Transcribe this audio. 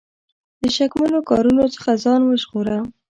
د شکمنو کارونو څخه ځان وژغوره.